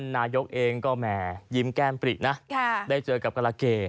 นายกเองก็แหมยิ้มแก้มปรินะได้เจอกับกรเก